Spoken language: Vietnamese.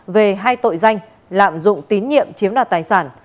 về hai tội danh lạm dụng tín nhiệm chiếm đoạt tài sản